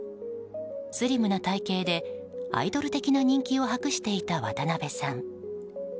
スリムな体形でアイドル的な人気を博していた渡辺さん。